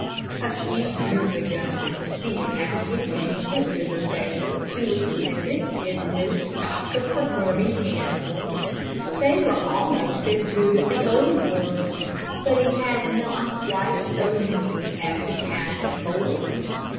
A few years ago the Italian came to Riverdale, to exhibit his new stock of performing animals. They were almost as good as the old ones, but he had not quite so many as he had before.